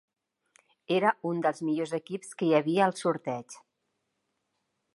Era un dels millors equips que hi havia al sorteig.